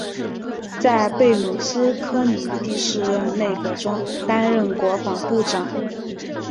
在贝鲁斯柯尼第四任内阁中担任国防部长。